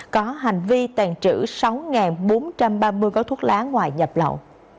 có hành vi tàn trữ sáu bốn trăm ba mươi gói thuốc lá ngoại nhập lậu